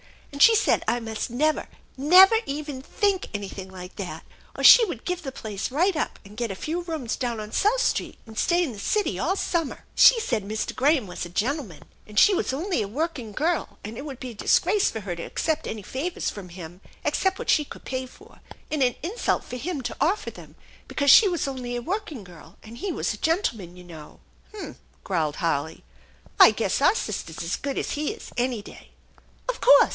And she said I must never, never even think anything like that, or she would give the place right up, and get a few rooms down on South Street, and stay in the city all summer ! She said Mr. Graham was a gentleman, and she was only a working girl, and it would be a disgrace for her to accept any favors from him THE ENCHANTED BARN except what she could pay for, and an insult for him to offei them, because she was only a working girl and he was a gentleman, you know." " H'm !" growled Harley. " I guess our sister's as good as he is any day/' " Of course